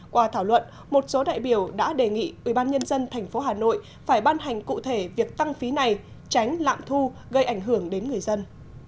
qua thảo luận một số đại biểu đã đề nghị ubnd tp hà nội phải ban hành cụ thể việc tăng phí này tránh lạm thu gây ảnh hưởng đến người dân